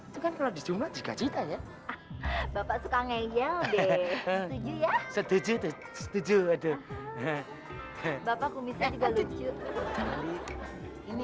jumlah juga kita ya bapak suka ngejel deh setuju ya setuju setuju ada bapak kumisnya juga lucu ini